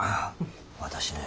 私ね